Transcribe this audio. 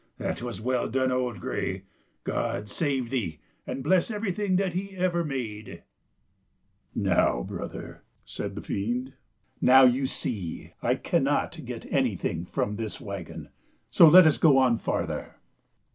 That was well done, old Gray. God save thee, and bless everything that He ever made !" "Now, brother," said the fiend, "now, you see, I cannot get anything from this wagon ; so let us go on farther."